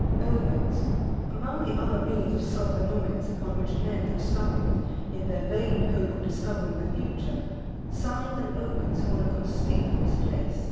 OMENS. Among the other means of self annoyance upon which men have stumbled, in their vain hope of discovering the future, signs and omens hold a conspicuous place.